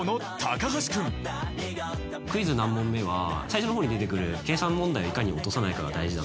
クイズ何問目？は最初の方に出てくる計算問題をいかに落とさないかが大事だと。